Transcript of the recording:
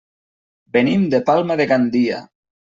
Venim de Palma de Gandia.